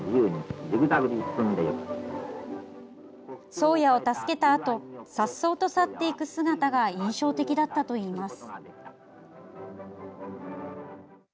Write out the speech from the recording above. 「宗谷」を助けたあとさっそうと去っていく姿が印象的だったといいます。